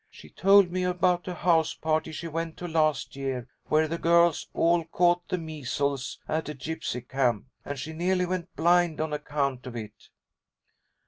She told me about a house party she went to last year, where the girls all caught the measles at a gypsy camp, and she nearly went blind on account of it."